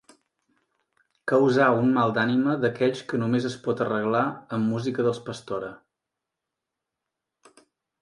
Causar un mal d'ànima d'aquells que només es pot arreglar amb música dels Pastora.